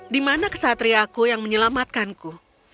di mana kesatriaku yang menyelamatkanku